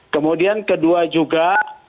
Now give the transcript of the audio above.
kemudian kedua juga